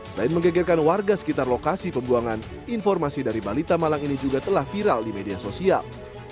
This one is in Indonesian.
selain menggegerkan warga sekitar lokasi pembuangan informasi dari balita malang ini juga telah viral di media sosial